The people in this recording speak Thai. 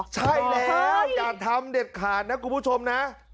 ใช่แล้วอย่าทำเด็ดขาดนะคุณผู้ชมนะ